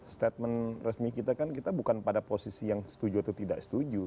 statement resmi kita kan kita bukan pada posisi yang setuju atau tidak setuju